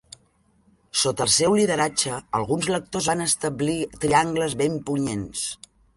Sota el seu lideratge, alguns lectors van establir triangles ben punyents.